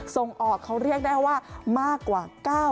ส่งออกเขาเรียกได้ว่ามากกว่า